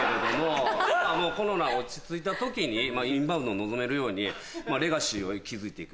コロナが落ち着いた時にインバウンドを望めるようにレガシーを築いて行く。